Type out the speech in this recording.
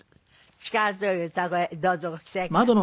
力強い歌声どうぞご期待ください。